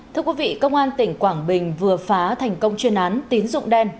thưa quý vị công an tỉnh quảng bình vừa phá thành công chuyên án tín dụng đen